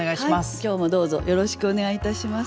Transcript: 今日もどうぞよろしくお願いいたします。